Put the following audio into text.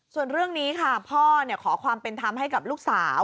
ส่วนเรื่องนี้ครับพอขอความเป็นทำให้ลูกสาว